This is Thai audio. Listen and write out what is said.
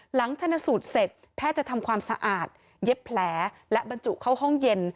ชนสูตรเสร็จแพทย์จะทำความสะอาดเย็บแผลและบรรจุเข้าห้องเย็น